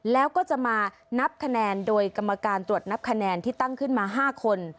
แล้วก็จะมานับคะแนนโดยกรรมการตรวจนับคะแนนที่ตั้งขึ้นมา๕คน